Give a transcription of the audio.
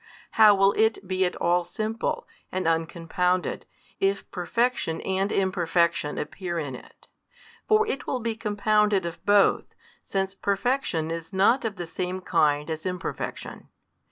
How will It be at all simple and uncompounded, if Perfection and imperfection appear in It? For It will be compounded of both, since Perfection is not of the same kind as imperfection.